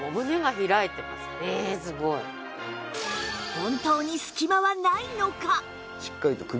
本当に隙間はないのか？